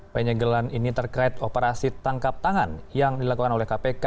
penyegelan ini terkait operasi tangkap tangan yang dilakukan oleh kpk